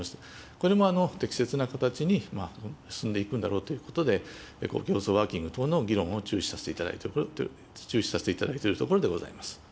これも適切な形に進んでいくんだろうということで、公共放送ワーキング等の議論を注視させていただいているところでございます。